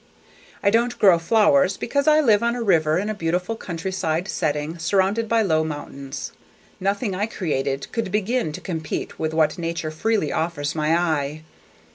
I don't grow flowers because I live on a river in a beautiful countryside setting surrounded by low mountains. Nothing I created could begin to compete with what nature freely offers my eye.